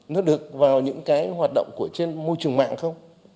nó được vào những cái hoạt động của trên môi trường mạng không